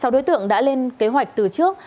sáu đối tượng đã lên kế hoạch từ trước